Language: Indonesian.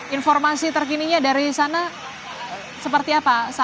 informasi terkininya dari sana seperti apa